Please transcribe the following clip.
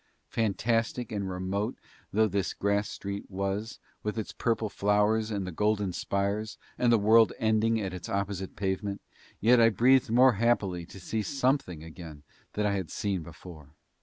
Fantastic and remote though this grass street was with its purple flowers and the golden spires, and the world ending at its opposite pavement, yet I breathed more happily to see something again that I had seen before.